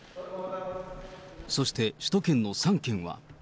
そして首都圏の３県は。